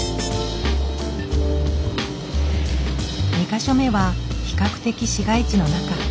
２か所目は比較的市街地の中。